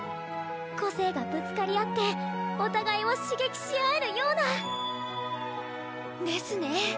個性がぶつかり合ってお互いを刺激し合えるような。ですね。